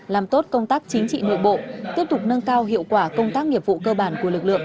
làm tốt công tác chính trị nội bộ tiếp tục nâng cao hiệu quả công tác